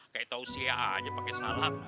kayak tau usia aja pake salam